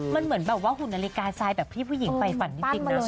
มันเหมือนแบบว่าหุ่นนาฬิกาไซด์แบบที่ผู้หญิงไปฝันนิดนึงนะเออปั้นมาเลยอ่ะ